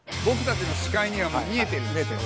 僕たちの視界には見えてる。